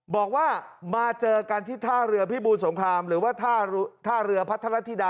บอกว่ามาเจอกันที่ท่าเรือพิบูรสงครามหรือว่าท่าเรือพัทรธิดา